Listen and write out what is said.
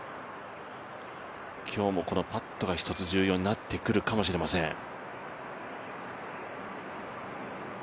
今日もこのパットがひとつ重要になってくるかもしれません。